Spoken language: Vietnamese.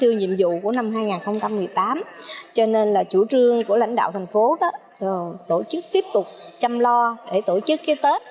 tiêu nhiệm vụ của năm hai nghìn một mươi tám cho nên là chủ trương của lãnh đạo thành phố đó tổ chức tiếp tục chăm lo để tổ chức cái tết